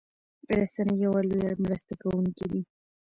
رسنۍ يو لويه مرسته کوونکي دي